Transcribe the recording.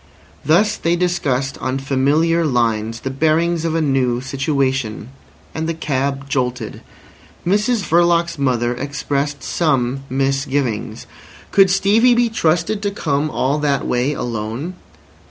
Thus they discussed on familiar lines the bearings of a new situation. And the cab jolted. Mrs Verloc's mother expressed some misgivings. Could Stevie be trusted to come all that way alone?